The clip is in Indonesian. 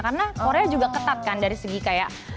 karena korea juga ketat kan dari segi kayak